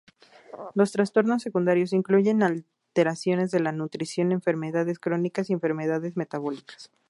Los trastornos secundarios incluyen alteraciones de la nutrición, enfermedades crónicas y enfermedades metabólicas.